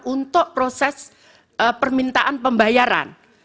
untuk proses permintaan pembayaran